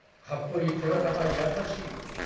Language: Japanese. かっこいい背が高い優しい。